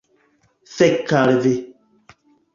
Fek' al vi